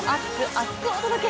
厚く！お届け！